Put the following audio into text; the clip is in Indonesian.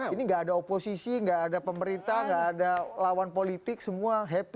ini gak ada oposisi gak ada pemerintah gak ada lawan politik semua happy